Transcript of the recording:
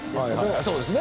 あそうですね。